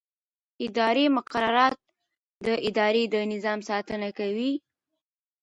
اداري مقررات د ادارې د نظم ساتنه کوي.